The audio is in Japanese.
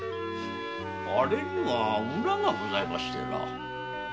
あれにはウラがございましてな。